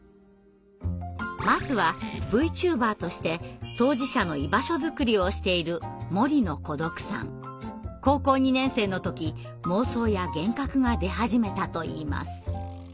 まずはＶＴｕｂｅｒとして当事者の居場所づくりをしている高校２年生の時妄想や幻覚が出始めたといいます。